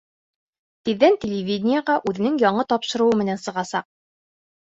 Тиҙҙән телевидениеға үҙенең яңы тапшырыуы менән сығасаҡ.